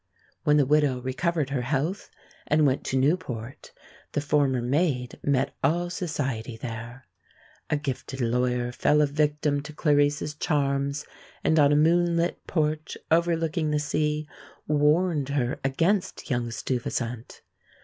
When the widow recovered her health and went to Newport, the former maid met all society there. A gifted lawyer fell a victim to Clarice's charms, and, on a moonlit porch overlooking the sea, warned her against young Stuyvesant.